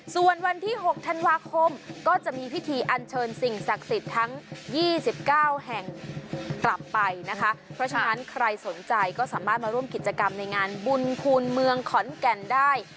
ส่วนวันที่๖ธันวาคมก็จะมีพิธีอันเชิญสิ่งศักดิ์สิทธิ์ทั้ง๒๙แห่งกลับไปนะคะเพราะฉะนั้นใครสนใจก็สามารถมาร่วมกิจกรรมในงานบุญคูณเมืองขอนแก่นได้